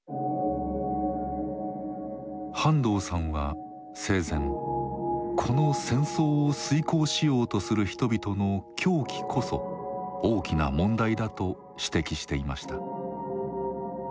半藤さんは生前この戦争を遂行しようとする人々の「狂気」こそ大きな問題だと指摘していました。